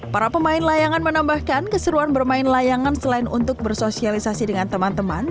para pemain layangan menambahkan keseruan bermain layangan selain untuk bersosialisasi dengan teman teman